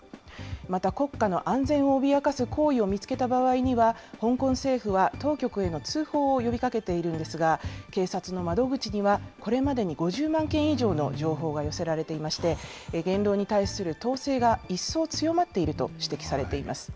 また、国家の安全を脅かす行為を見つけた場合には、香港政府は当局への通報を呼びかけているんですが、警察の窓口にはこれまでに５０万件以上の情報が寄せられていまして、言論に対する統制が一層強まっていると指摘されています。